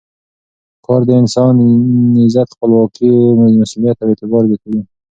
کار د انسان عزت، خپلواکي، مسؤلیت او اعتماد زیاتوي.